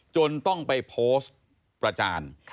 จนต้องไปโพสต์ประจาน